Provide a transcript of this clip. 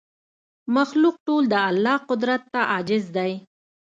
مخلوق ټول د الله قدرت ته عاجز دی